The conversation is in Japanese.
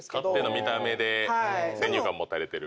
見た目で先入観持たれてる。